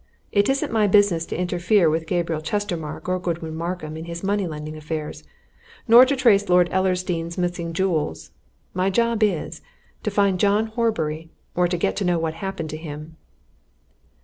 It isn't my business to interfere with Gabriel Chestermarke or Godwin Markham in his money lending affairs nor to trace Lord Ellersdeane's missing jewels. My job is to find John Horbury, or to get to know what happened to him."